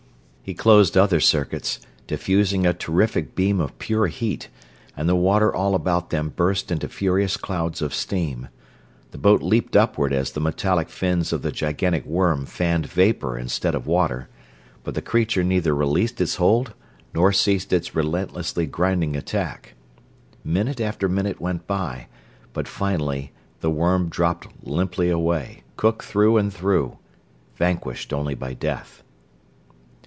He closed other circuits, diffusing a terrific beam of pure heat, and the water all about them burst into furious clouds of steam. The boat leaped upward as the metallic fins of the gigantic worm fanned vapor instead of water, but the creature neither released its hold nor ceased its relentlessly grinding attack. Minute after minute went by, but finally the worm dropped limply away cooked through and through; vanquished only by death.